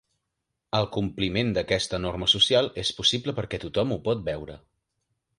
El compliment d'aquesta norma social és possible perquè tothom ho pot veure.